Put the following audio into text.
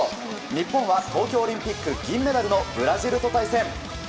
日本は東京オリンピック銀メダルのブラジルと対戦。